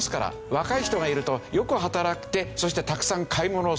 若い人がいるとよく働いてそしてたくさん買い物をする。